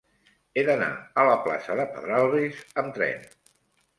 He d'anar a la plaça de Pedralbes amb tren.